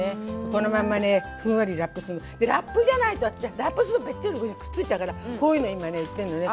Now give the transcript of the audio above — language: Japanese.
このまんまねふんわりラップすんの。でラップじゃないとラップするとべっちょりくっついちゃうからこういうの今ね売ってんのね。